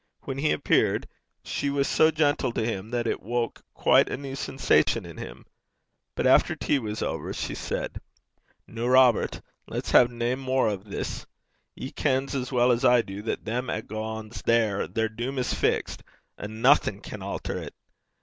When he appeared, she was so gentle to him that it woke quite a new sensation in him. But after tea was over, she said: 'Noo, Robert, lat's hae nae mair o' this. Ye ken as weel 's I du that them 'at gangs there their doom is fixed, and noething can alter 't.